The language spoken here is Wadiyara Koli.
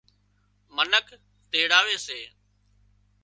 منک تيڙاوي سي